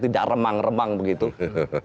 tidak ada hal yang seharusnya kita harus hadapi